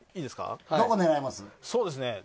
どこ狙います？